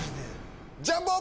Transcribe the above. ジャンボ！